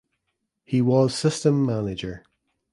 He was system manager.